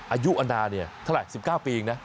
อายุอนาเนี่ยเท่าไหร่๑๙ปีเองนะ